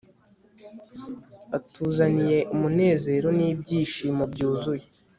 utuzaniye umunezero nibyishimo byuzuye